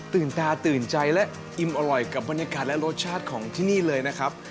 ตาตื่นใจและอิ่มอร่อยกับบรรยากาศและรสชาติของที่นี่เลยนะครับ